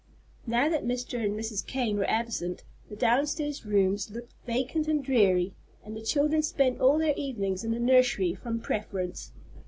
Now that Mr. and Mrs. Kane were absent, the downstairs rooms looked vacant and dreary, and the children spent all their evenings in the nursery from preference.